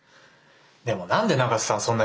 でも何で永瀬さん